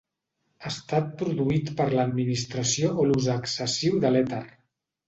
Estat produït per l'administració o l'ús excessiu de l'èter.